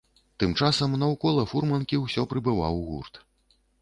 Тым часам наўкола фурманкі ўсё прыбываў гурт.